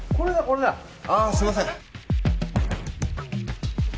あすいません。